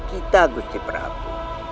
kita gusti prabu